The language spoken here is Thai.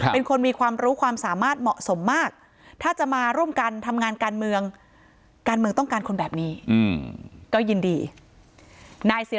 เป็นคนมีความรู้ความสามารถเหมาะสมมากถ้าจะมาร่วมกันทำงานการเมืองการเมืองต้องการคนแบบนี้ก็ยินดีนายเสีย